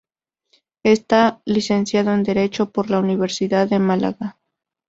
Está licenciado en Derecho por la Universidad de Málaga.